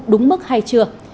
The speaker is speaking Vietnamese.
đúng mức hay chưa